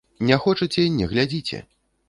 Не хочаце, не глядзіце!